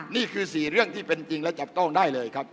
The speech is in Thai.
นี่คือ๔เรื่องที่เป็นจริงและจับต้องได้เลยครับ